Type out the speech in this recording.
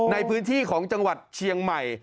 ในพื้นที่ของจังหวัดเชียงใหม่